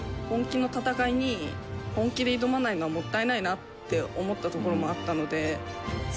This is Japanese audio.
本気の戦いに本気で挑まないのはもったいないなって思ったところもあったので。